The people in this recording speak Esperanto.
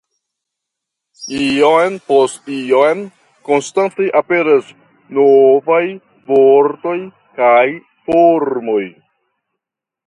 Iom post iom konstante aperas novaj vortoj kaj formoj.